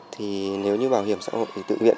thì nếu như bảo hiểm xã hội tự nguyện